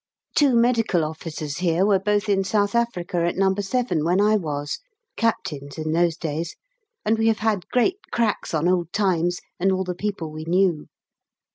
Two medical officers here were both in South Africa at No. 7 when I was (Captains in those days), and we have had great cracks on old times and all the people we knew.